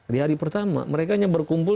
di hari pertama mereka hanya berkumpul